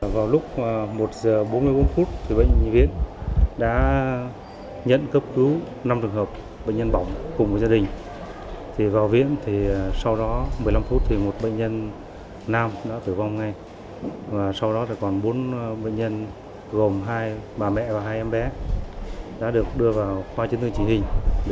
vào lúc một giờ bốn mươi bốn phút bệnh nhân nhập viện đã nhận cấp cứu năm trường hợp bệnh nhân bỏng cùng gia đình